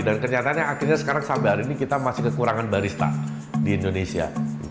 dan kenyataannya akhirnya sekarang sampai hari ini kita masih kekurangan barista di indonesia